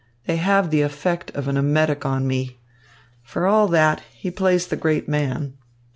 They have the effect of an emetic on me. For all that, he plays the great man.